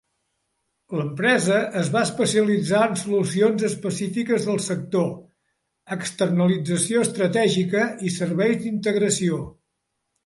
L'empresa es va especialitzar en solucions específiques del sector, externalització estratègica i serveis d'integració.